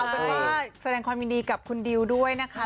เอาเป็นว่าแสดงความยินดีกับคุณดิวด้วยนะคะ